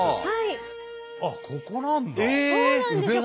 あっここなんだ。